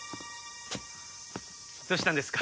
どうしたんですか？